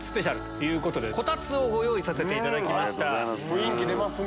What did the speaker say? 雰囲気出ますね。